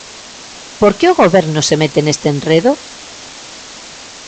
¿Por que o Goberno se mete neste enredo?